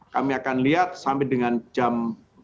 kami akan lihat sampai dengan jam